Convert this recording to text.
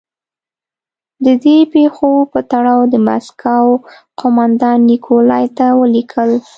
د دې پېښو په تړاو د مسکو قومندان نیکولای ته ولیکل.